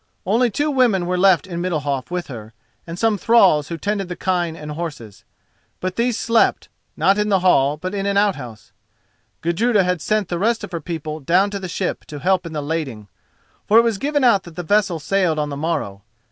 Only two women were left in Middalhof with her, and some thralls who tended the kine and horses. But these slept, not in the hall, but in an outhouse. Gudruda had sent the rest of her people down to the ship to help in the lading, for it was given out that the vessel sailed on the morrow.